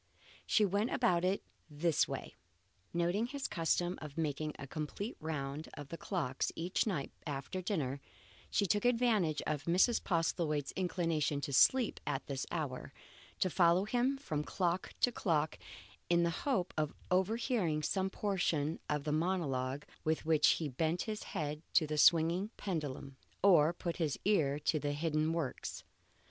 She went about it in this way. Noting his custom of making a complete round of the clocks each night after dinner, she took advantage of Mrs. Postlethwaite's inclination to sleep at this hour, to follow him from clock to clock in the hope of overhearing some portion of the monologue with which he bent his head to the swinging pendulum, or put his ear to the hidden works.